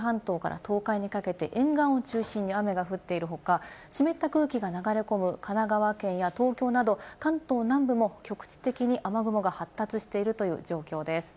この時間は紀伊半島から東海にかけて、沿岸を中心に雨が降っている他、湿った空気が流れ込み、神奈川県や東京など関東南部も局地的に雨雲が発達しているという状況です。